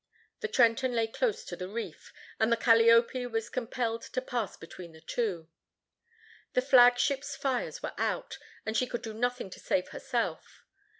The Trenton lay close to the reef, and the Calliope was compelled to pass between the two. The flagship's fires were out, and she could do nothing to save herself.